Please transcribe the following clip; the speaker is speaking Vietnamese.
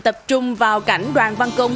tập trung vào cảnh đoàn văn công